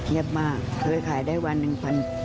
เงียบมากเคยขายได้วันนึง๑๗๐๐๑๘๐๐